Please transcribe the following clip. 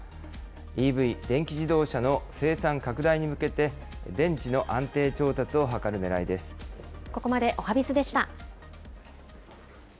ＥＶ・電気自動車の生産拡大に向けて、ここまでおはＢｉｚでした。